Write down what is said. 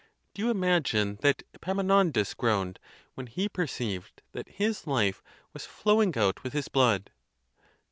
Do you imagine that Epaminondas groaned when he perceived that his life was flowing out with his blood?